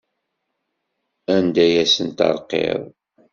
Anda ay asen-terqiḍ?